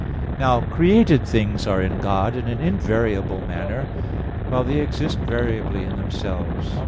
Now created things are in God in an invariable manner; while they exist variably in themselves.